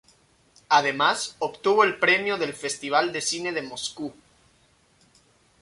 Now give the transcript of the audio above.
Además, obtuvo el Premio del Festival de Cine de Moscú.